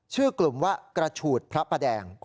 ชื่อกลุ่มว่ากระฉูดพระประแดง